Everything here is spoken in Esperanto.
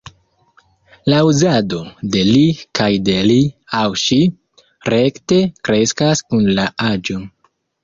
La uzado de ”li” kaj de ”li aŭ ŝi” rekte kreskas kun la aĝo.